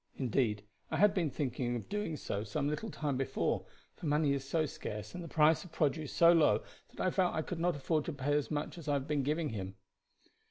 Indeed, I had been thinking of doing so some little time before, for money is so scarce and the price of produce so low that I felt I could not afford to pay as much as I have been giving him."